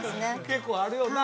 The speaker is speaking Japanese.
結構あるよな？